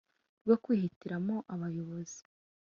rwo kwihitiramo abayohozi